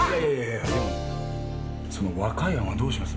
でもその和解案はどうします？